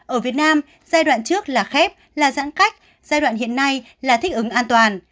ở việt nam giai đoạn trước là khép là giãn cách giai đoạn hiện nay là thích ứng an toàn